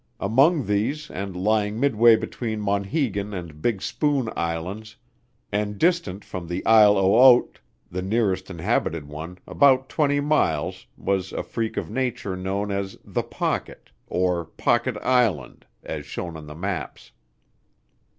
Among these, and lying midway between Monhegan and Big Spoon Islands, and distant from the Isle au Haut, the nearest inhabited one, about twenty miles, was a freak of nature known as "The Pocket," or Pocket Island, as shown on the maps.